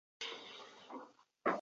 雷南人口变化图示